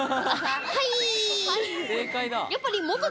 はい。